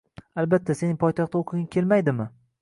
Albatta, sening poytaxtda o`qiging kelmaydimi